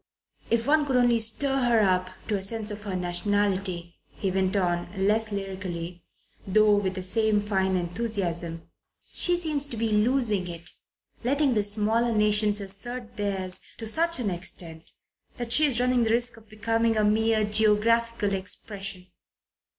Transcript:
If one could only stir her up to a sense of her nationality!" he went on, less lyrically, though with the same fine enthusiasm. "She seems to be losing it, letting the smaller nations assert theirs to such an extent that she is running the risk of becoming a mere geographical expression.